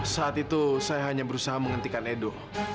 saat itu saya hanya berusaha menghentikan edo